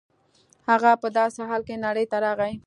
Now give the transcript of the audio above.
هغه په داسې حال کې نړۍ ته راغی